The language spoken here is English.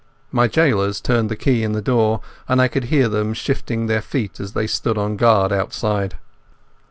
My gaolers turned the key in the door, and I could hear them shifting their feet as they stood on guard outside.